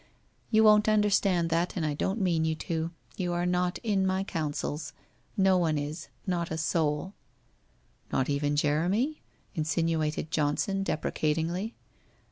You won't understand that, and I don't mean you to. You are not in my counsels. No one is, not a soul/ 'Not even Jeremy?' insinuated Johnson deprecatingly.